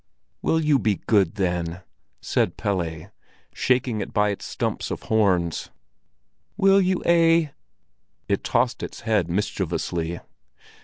"Will you be good, then?" said Pelle, shaking it by its stumps of horns. "Will you, eh?" It tossed its head mischievously.